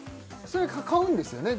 それは買うんですよね？